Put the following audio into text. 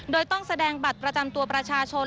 โดยต้องแสดงบัตรประจำตัวประชาชน